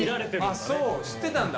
あそう知ってたんだ。